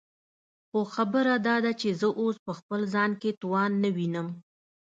خو خبره داده چې زه اوس په خپل ځان کې توان نه وينم.